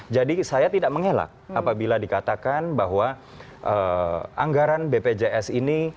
jadi saya tidak mengelak apabila dikatakan bahwa anggaran bpjs ini